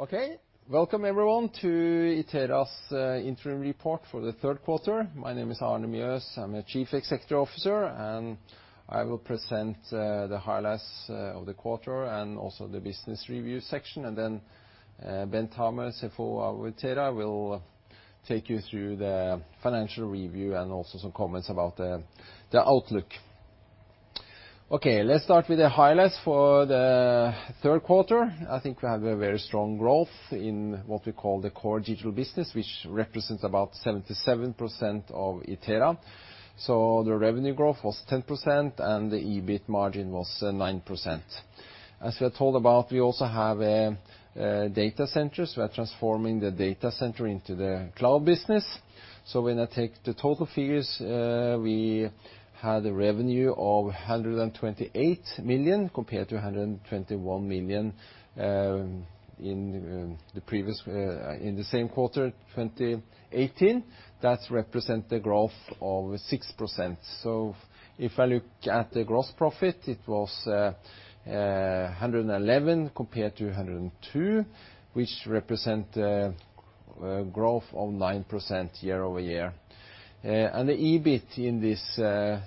Okay, welcome everyone to Itera's interim report for the third quarter. My name is Arne Mjøs, I'm a Chief Executive Officer, and I will present the highlights of the quarter and also the business review section. And then Bent Hammer, CFO of Itera, will take you through the financial review and also some comments about the outlook. Okay, let's start with the highlights for the third quarter. I think we have a very strong growth in what we call the core digital business, which represents about 77% of Itera. So the revenue growth was 10%, and the EBIT margin was 9%. As we're told about, we also have a data center. We're transforming the data center into the cloud business. So when I take the total figures, we had a revenue of 128 million compared to 121 million in the previous, in the same quarter, 2018. That represents the growth of 6%. So if I look at the gross profit, it was 111 million compared to 102 million, which represents a growth of 9% year-over-year. And the EBIT in this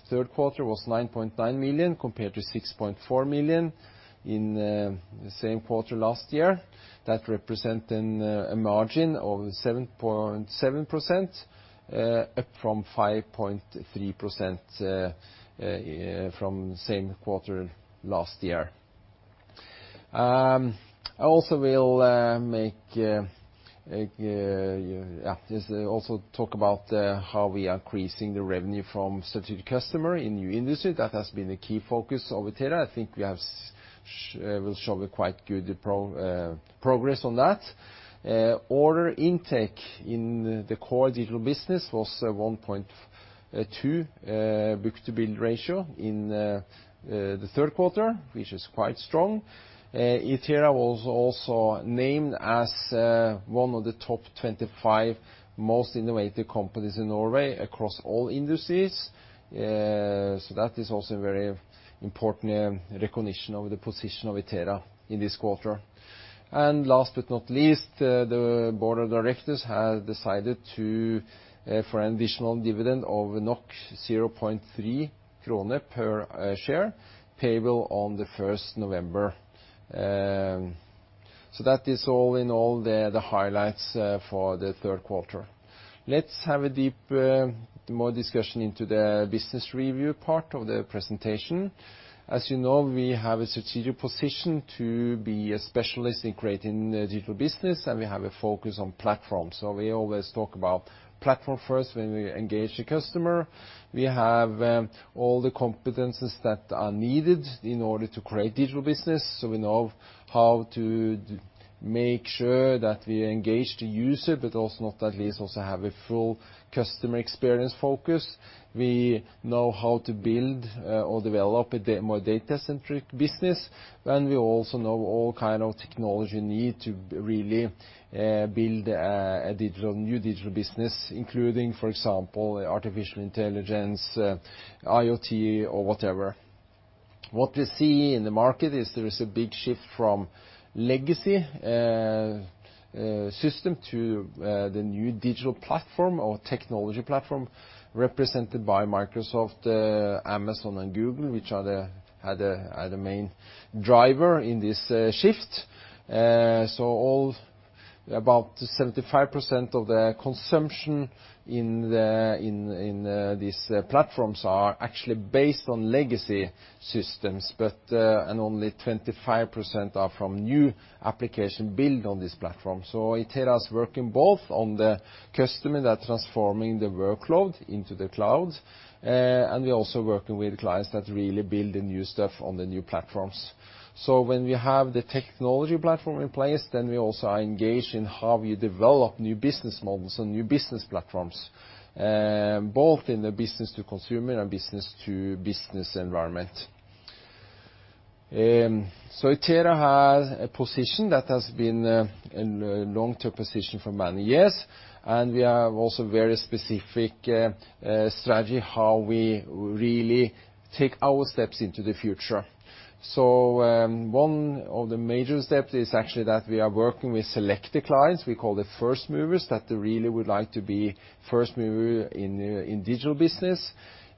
third quarter was 9.9 million compared to 6.4 million in the same quarter last year. That represents a margin of 7.7%, up from 5.3% from the same quarter last year. I also will talk about how we are increasing the revenue from strategic customers in new industries. That has been a key focus of Itera. I think we will show quite good progress on that. Order intake in the core digital business was 1.2 book-to-bill ratio in the third quarter, which is quite strong. Itera was also named as one of the top 25 most innovative companies in Norway across all industries. That is also a very important recognition of the position of Itera in this quarter. And last but not least, the board of directors has decided to, for an additional dividend of 0.3 krone per share, payable on the 1st of November. That is all in all the highlights for the third quarter. Let's have a deeper discussion into the business review part of the presentation. As you know, we have a strategic position to be a specialist in creating digital business, and we have a focus on platform. We always talk about platform first when we engage the customer. We have all the competencies that are needed in order to create digital business. We know how to make sure that we engage the user, but also not least also have a full customer experience focus. We know how to build or develop a more data-centric business, and we also know all kinds of technology need to really build a new digital business, including, for example, artificial intelligence, IoT, or whatever. What we see in the market is there is a big shift from legacy system to the new digital platform or technology platform represented by Microsoft, Amazon, and Google, which are the main drivers in this shift. So about 75% of the consumption in these platforms are actually based on legacy systems, but only 25% are from new applications built on this platform. So Itera is working both on the customer that is transforming the workload into the cloud, and we're also working with clients that really build the new stuff on the new platforms. So when we have the technology platform in place, then we also are engaged in how we develop new business models and new business platforms, both in the business-to-consumer and business-to-business environment. So Itera has a position that has been a long-term position for many years, and we have also a very specific strategy how we really take our steps into the future. So one of the major steps is actually that we are working with selected clients. We call them first movers that really would like to be first movers in digital business.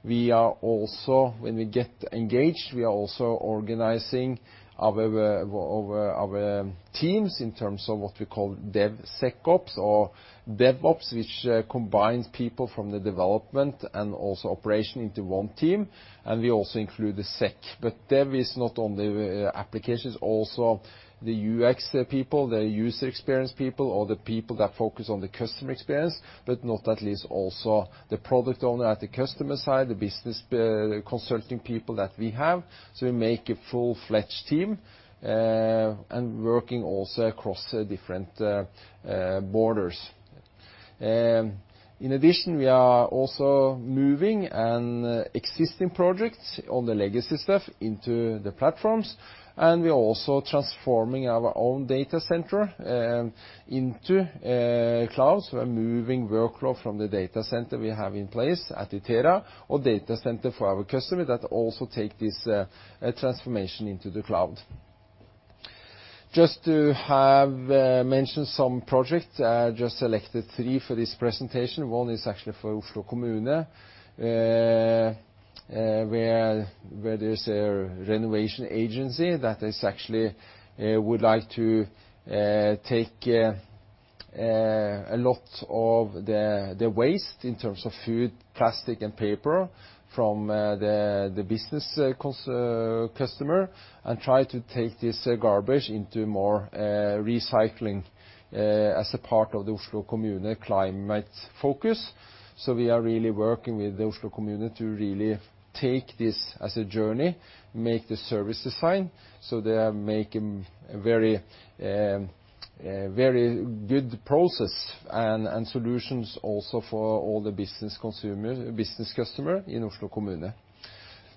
We are also, when we get engaged, we are also organizing our teams in terms of what we call DevSecOps or DevOps, which combines people from the development and also operation into one team. We also include the Sec, but Dev is not only applications, also the UX people, the user experience people, or the people that focus on the customer experience, but not least also the product owner at the customer side, the business consulting people that we have. So we make a full-fledged team and working also across different borders. In addition, we are also moving existing projects on the legacy stuff into the platforms, and we are also transforming our own data center into cloud. So we're moving workload from the data center we have in place at Itera or data center for our customers that also take this transformation into the cloud. Just to mention some projects, I just selected three for this presentation. One is actually for Oslo Kommune, where there's a renovation agency that actually would like to take a lot of the waste in terms of food, plastic, and paper from the business customer and try to take this garbage into more recycling as a part of the Oslo Kommune climate focus. So we are really working with the Oslo Kommune to really take this as a journey, make the service design, so they are making a very good process and solutions also for all the business customers in Oslo Kommune.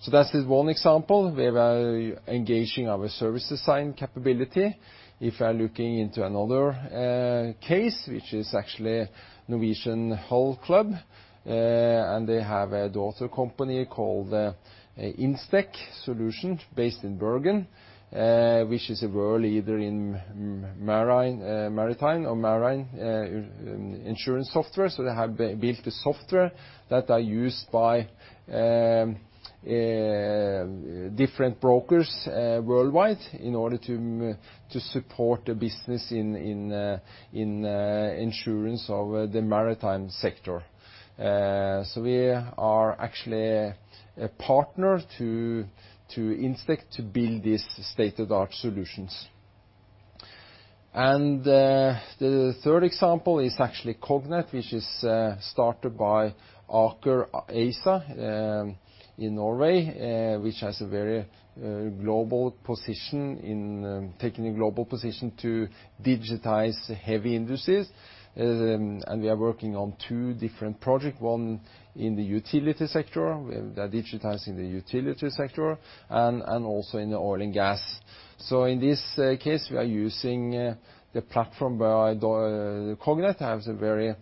So that's one example. We are engaging our service design capability. If we are looking into another case, which is actually Norwegian Hull Club, and they have a daughter company called Instech Solutions based in Bergen, which is a world leader in maritime or marine insurance software. So they have built the software that are used by different brokers worldwide in order to support the business in insurance of the maritime sector. So we are actually a partner to Instech to build these state-of-the-art solutions. And the third example is actually Cognite, which is started by Aker ASA in Norway, which has a very global position in taking a global position to digitize heavy industries. And we are working on two different projects, one in the utility sector, digitizing the utility sector, and also in the oil and gas. So in this case, we are using the platform where Cognite has a very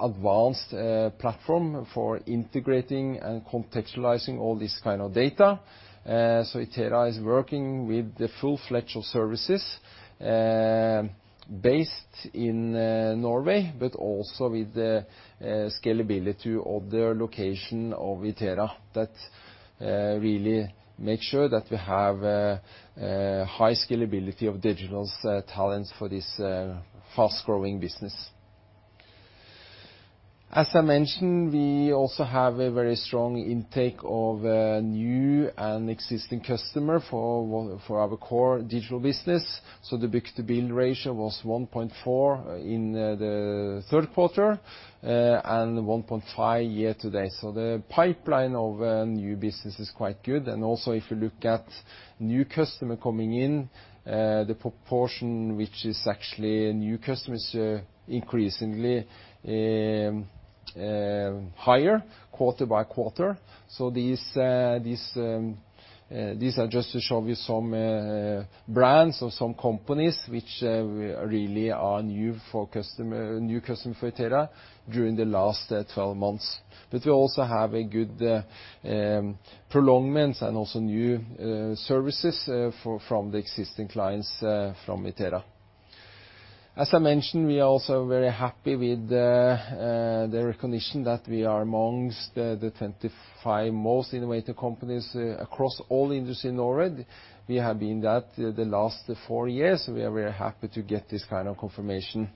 advanced platform for integrating and contextualizing all this kind of data. So Itera is working with the full-fledged services based in Norway, but also with the scalability of the location of Itera that really makes sure that we have high scalability of digital talents for this fast-growing business. As I mentioned, we also have a very strong intake of new and existing customers for our core digital business. So the book-to-bill ratio was 1.4 in the third quarter and 1.5 year to date. So the pipeline of new business is quite good. And also, if you look at new customers coming in, the proportion which is actually new customers increasingly higher quarter-by-quarter. So these are just to show you some brands of some companies which really are new customers for Itera during the last 12 months. But we also have a good prolongments and also new services from the existing clients from Itera. As I mentioned, we are also very happy with the recognition that we are amongst the 25 most innovative companies across all industries in Norway. We have been that the last four years, so we are very happy to get this kind of confirmation.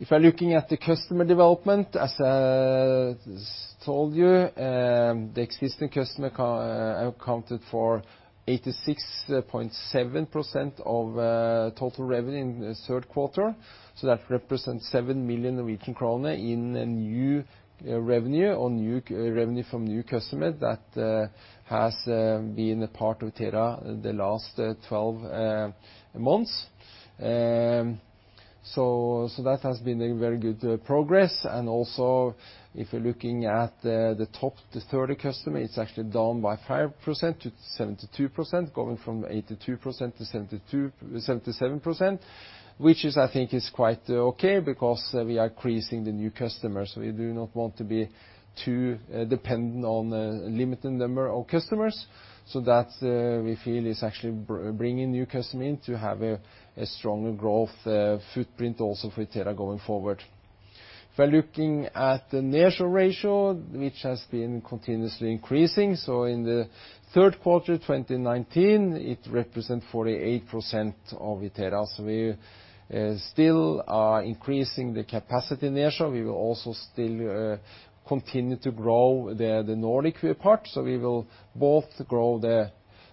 If we're looking at the customer development, as I told you, the existing customer accounted for 86.7% of total revenue in the third quarter. So that represents 7 million Norwegian krone in new revenue or new revenue from new customers that has been a part of Itera the last 12 months. So that has been a very good progress. And also, if we're looking at the top 30 customers, it's actually down by 5%-72%, going from 82%-77%, which I think is quite okay because we are increasing the new customers. We do not want to be too dependent on a limited number of customers. So that we feel is actually bringing new customers in to have a stronger growth footprint also for Itera going forward. If we're looking at the net ratio, which has been continuously increasing. So in the third quarter of 2019, it represents 48% of Itera. So we still are increasing the capacity net ratio. We will also still continue to grow the Nordic part. So we will both grow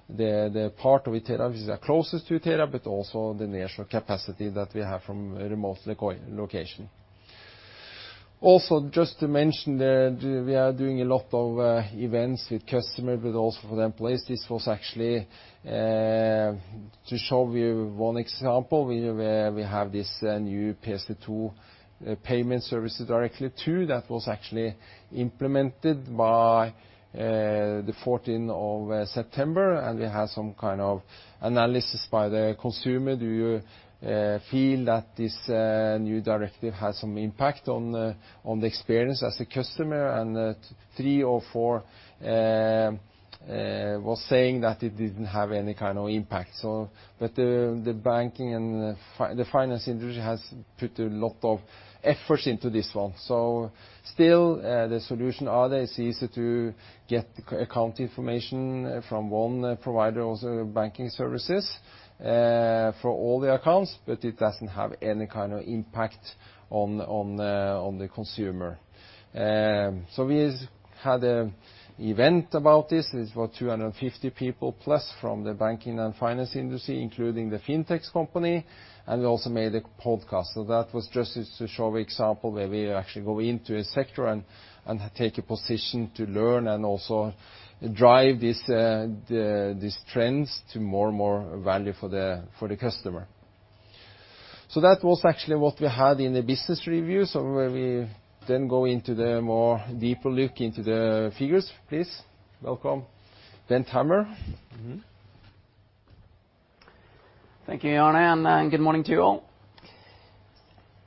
the part of Itera which is closest to Itera, but also the net capacity that we have from a remote location. Also, just to mention, we are doing a lot of events with customers, but also for the employees. This was actually to show you one example. We have this new PSD2 Payment Services Directive 2 that was actually implemented by the 14th of September. And we had some kind of analysis by the consumer to feel that this new directive has some impact on the experience as a customer. And three or four were saying that it didn't have any kind of impact. But the banking and the finance industry has put a lot of effort into this one. So still, the solution is easy to get account information from one provider, also banking services for all the accounts, but it doesn't have any kind of impact on the consumer. So we had an event about this. It was 250+ people from the banking and finance industry, including the fintech company. And we also made a podcast. So that was just to show an example where we actually go into a sector and take a position to learn and also drive these trends to more and more value for the customer. So that was actually what we had in the business review. So we then go into the more deeper look into the figures. Please, welcome Bent Hammer. Thank you, Arne, and good morning to you all.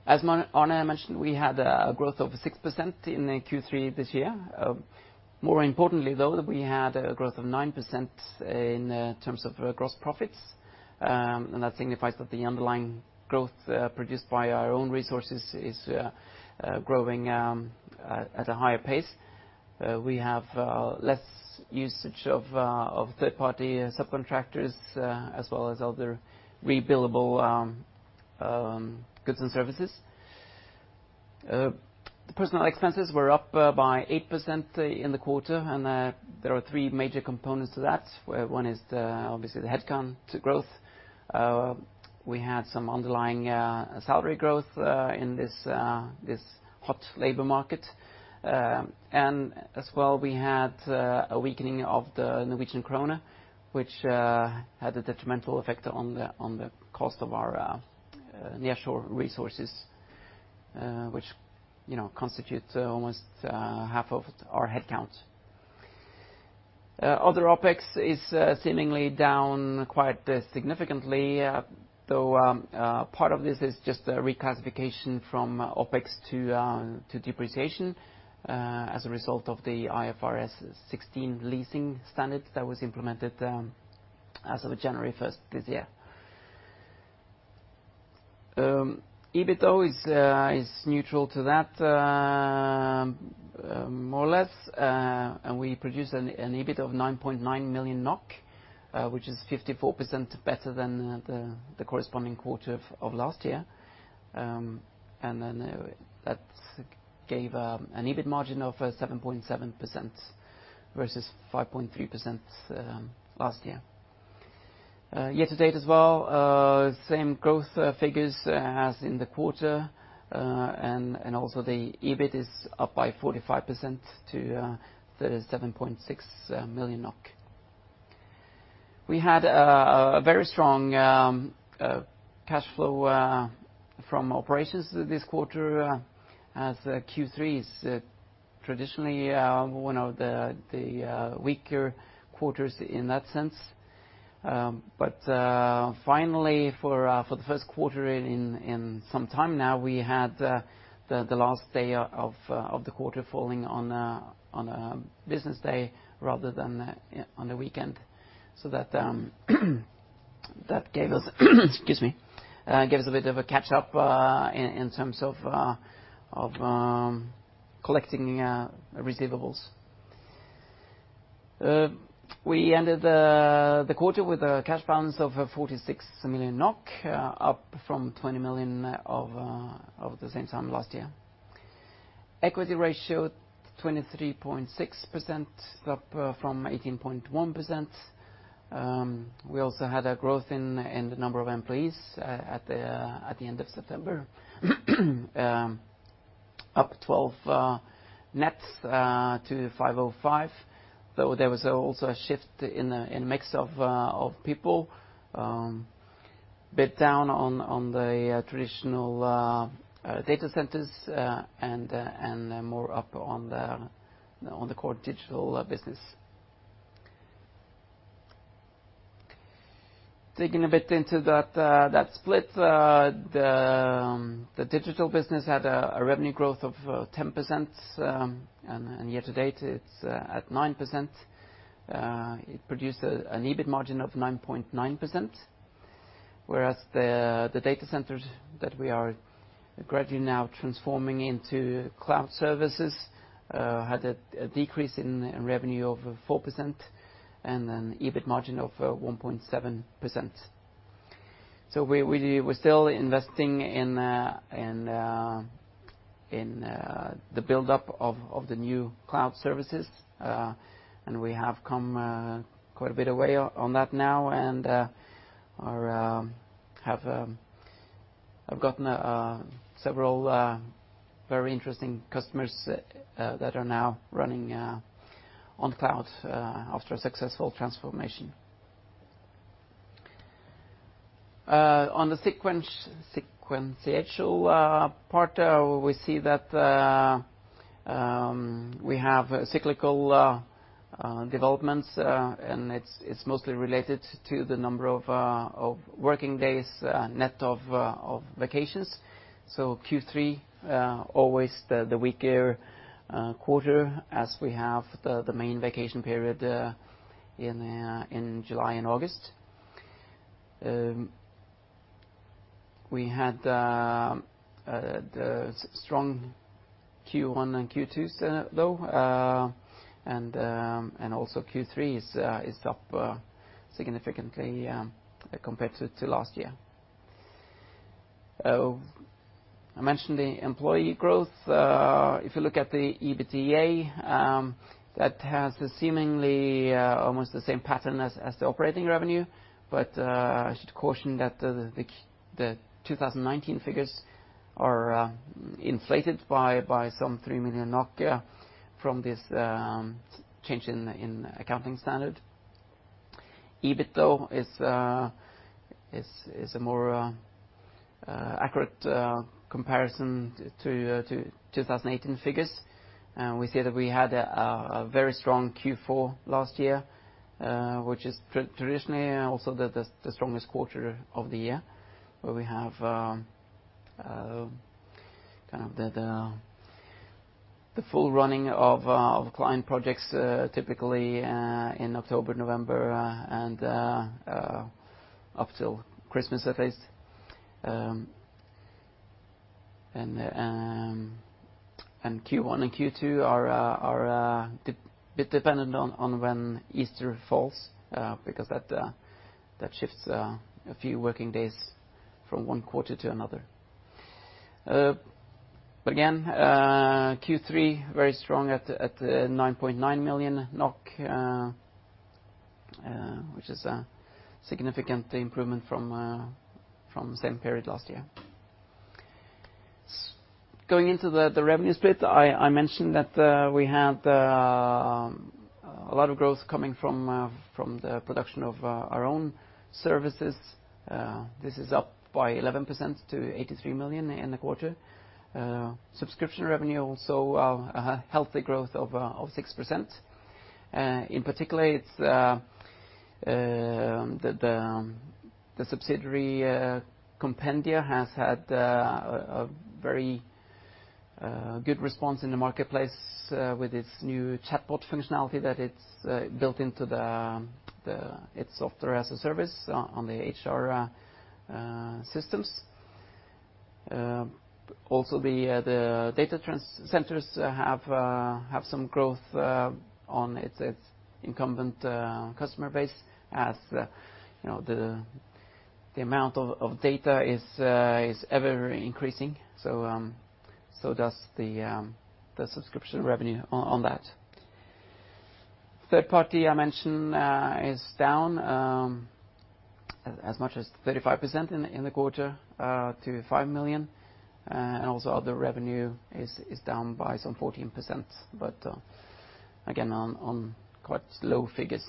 As Arne mentioned, we had a growth of 6% in Q3 this year. More importantly, though, we had a growth of 9% in terms of gross profits. And that signifies that the underlying growth produced by our own resources is growing at a higher pace. We have less usage of third-party subcontractors as well as other billable goods and services. The personal expenses were up by 8% in the quarter. And there are three major components to that. One is obviously the headcount growth. We had some underlying salary growth in this hot labor market. As well, we had a weakening of the Norwegian krone, which had a detrimental effect on the cost of our nearshore resources, which constitutes almost half of our headcount. Other OpEx is seemingly down quite significantly, though part of this is just a reclassification from OpEx to depreciation as a result of the IFRS 16 leasing standard that was implemented as of January 1st this year. EBITDA is neutral to that, more or less. We produced an EBIT of 9.9 million NOK, which is 54% better than the corresponding quarter of last year. That gave an EBIT margin of 7.7% versus 5.3% last year. Year-to-date as well, same growth figures as in the quarter. Also the EBIT is up by 45% to 7.6 million NOK. We had a very strong cash flow from operations this quarter as Q3 is traditionally one of the weaker quarters in that sense. But finally, for the first quarter in some time now, we had the last day of the quarter falling on a business day rather than on a weekend. So that gave us, excuse me, a bit of a catch-up in terms of collecting receivables. We ended the quarter with a cash balance of 46 million NOK, up from 20 million of the same time last year. Equity ratio 23.6%, up from 18.1%. We also had a growth in the number of employees at the end of September, up 12 net to 505, though there was also a shift in the mix of people, a bit down on the traditional data centers and more up on the core digital business. Digging a bit into that split, the digital business had a revenue growth of 10%, and year-to-date it's at 9%. It produced an EBIT margin of 9.9%, whereas the data centers that we are gradually now transforming into cloud services had a decrease in revenue of 4% and an EBIT margin of 1.7%. So we're still investing in the build-up of the new cloud services. And we have come quite a bit away on that now and have gotten several very interesting customers that are now running on cloud after a successful transformation. On the sequential part, we see that we have cyclical developments, and it's mostly related to the number of working days net of vacations. So Q3, always the weaker quarter, as we have the main vacation period in July and August. We had the strong Q1 and Q2, though, and also Q3 is up significantly compared to last year. I mentioned the employee growth. If you look at the EBITDA, that has seemingly almost the same pattern as the operating revenue, but I should caution that the 2019 figures are inflated by some 3 million from this change in accounting standard. EBIT, though, is a more accurate comparison to 2018 figures. We see that we had a very strong Q4 last year, which is traditionally also the strongest quarter of the year, where we have kind of the full running of client projects typically in October, November, and up till Christmas at least, and Q1 and Q2 are a bit dependent on when Easter falls because that shifts a few working days from one quarter to another. But again, Q3, very strong at 9.9 million NOK, which is a significant improvement from the same period last year. Going into the revenue split, I mentioned that we had a lot of growth coming from the production of our own services. This is up by 11% to 83 million in the quarter. Subscription revenue also has a healthy growth of 6%. In particular, the subsidiary Compendia has had a very good response in the marketplace with its new chatbot functionality that it's built into its software as a service on the HR systems. Also, the data centers have some growth on its incumbent customer base as the amount of data is ever increasing. So does the subscription revenue on that. Third-party, I mentioned, is down as much as 35% in the quarter to 5 million. And also other revenue is down by some 14%, but again, on quite low figures.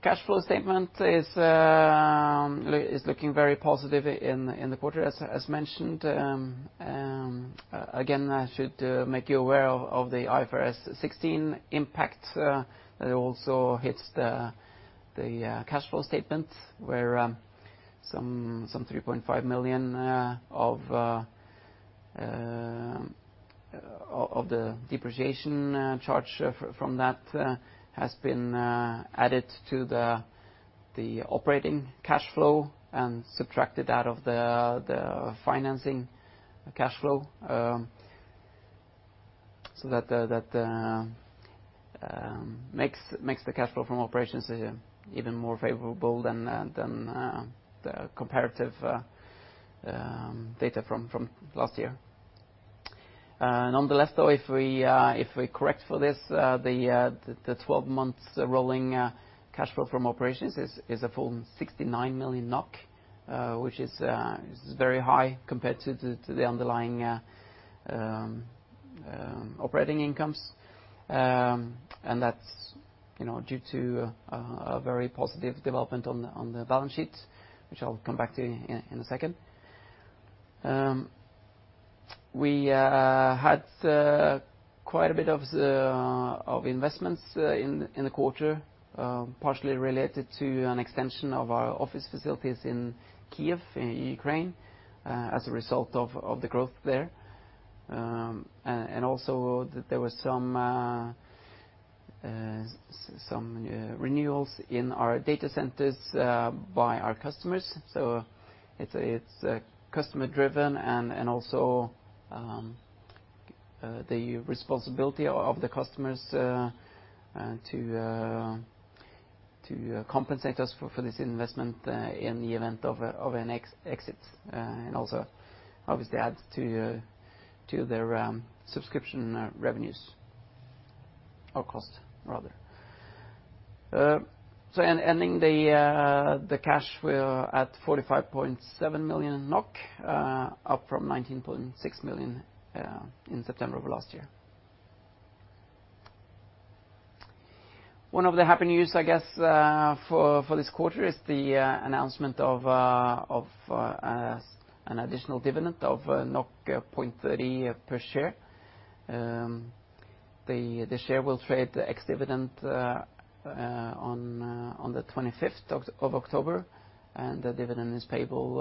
Cash flow statement is looking very positive in the quarter, as mentioned. Again, I should make you aware of the IFRS 16 impact that also hits the cash flow statement, where some 3.5 million of the depreciation charge from that has been added to the operating cash flow and subtracted out of the financing cash flow. So that makes the cash flow from operations even more favorable than the comparative data from last year. Nonetheless, though, if we correct for this, the 12-month rolling cash flow from operations is a full 69 million NOK, which is very high compared to the underlying operating incomes. And that's due to a very positive development on the balance sheet, which I'll come back to in a second. We had quite a bit of investments in the quarter, partially related to an extension of our office facilities in Kyiv, in Ukraine, as a result of the growth there. And also there were some renewals in our data centers by our customers. So it's customer-driven and also the responsibility of the customers to compensate us for this investment in the event of an exit. And also, obviously, add to their subscription revenues or cost, rather. So ending the cash at 45.7 million NOK, up from 19.6 million in September of last year. One of the happy news, I guess, for this quarter is the announcement of an additional dividend of 0.30 per share. The share will trade ex-dividend on the 25th of October, and the dividend is payable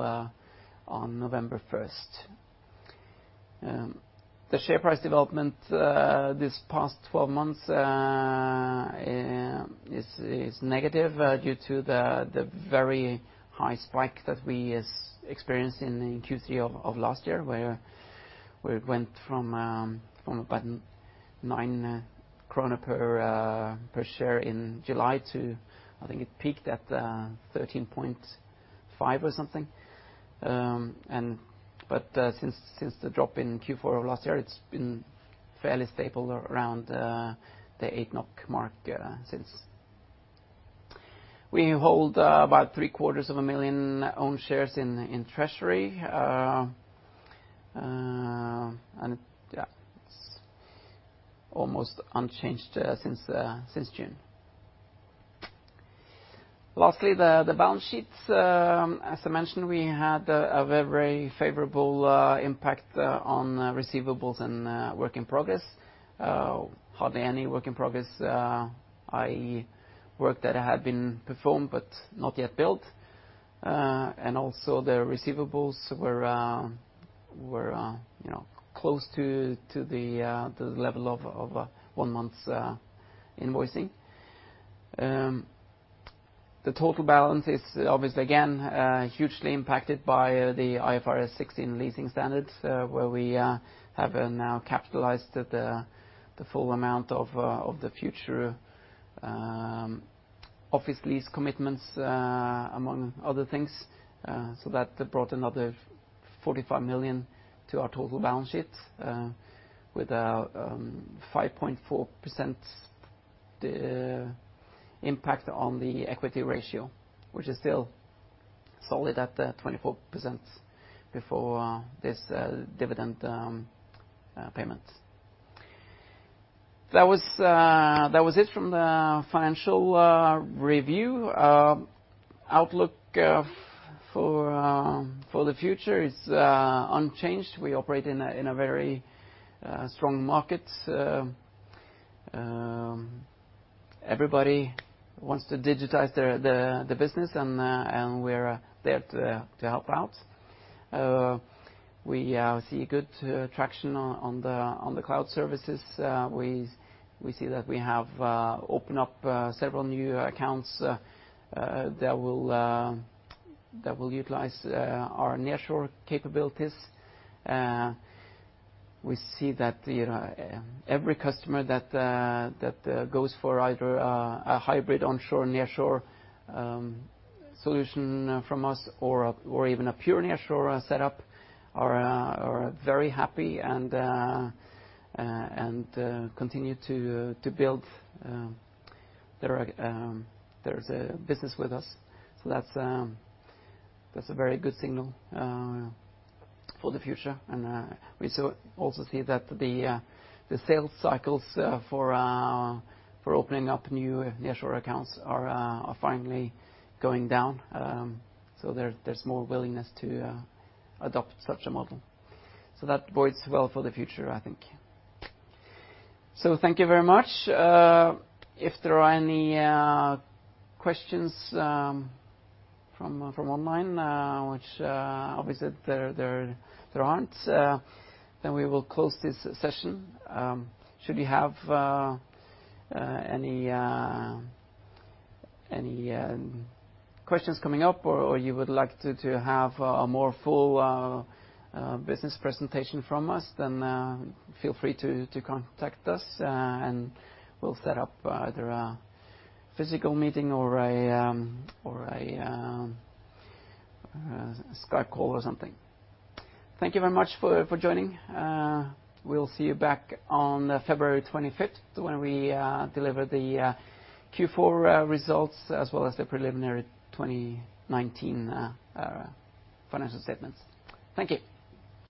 on November 1st. The share price development this past 12 months is negative due to the very high spike that we experienced in Q3 of last year, where we went from about 9 krone per share in July to, I think it peaked at 13.5 or something, but since the drop in Q4 of last year, it's been fairly stable around the 8 NOK mark since. We hold about 750,000 own shares in treasury, and it's almost unchanged since June. Lastly, the balance sheets, as I mentioned, we had a very favorable impact on receivables and work in progress. Hardly any work in progress, i.e., work that had been performed but not yet billed, and also the receivables were close to the level of one-month invoicing. The total balance is obviously, again, hugely impacted by the IFRS 16 leasing standards, where we have now capitalized the full amount of the future office lease commitments, among other things. So that brought another 45 million to our total balance sheet with a 5.4% impact on the equity ratio, which is still solid at 24% before this dividend payment. That was it from the financial review. Outlook for the future is unchanged. We operate in a very strong market. Everybody wants to digitize the business, and we're there to help out. We see good traction on the cloud services. We see that we have opened up several new accounts that will utilize our nearshore capabilities. We see that every customer that goes for either a hybrid onshore nearshore solution from us or even a pure nearshore setup are very happy and continue to build their business with us. So that's a very good signal for the future. And we also see that the sales cycles for opening up new nearshore accounts are finally going down. So there's more willingness to adopt such a model. So that bodes well for the future, I think. So thank you very much. If there are any questions from online, which obviously there aren't, then we will close this session. Should you have any questions coming up or you would like to have a more full business presentation from us, then feel free to contact us, and we'll set up either a physical meeting or a Skype call or something. Thank you very much for joining. We'll see you back on February 25th when we deliver the Q4 results as well as the preliminary 2019 financial statements. Thank you.